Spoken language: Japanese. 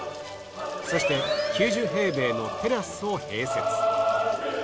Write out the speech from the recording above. そして９０平米のテラスを併設。